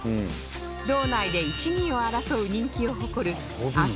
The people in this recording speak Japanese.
道内で一二を争う人気を誇るあそ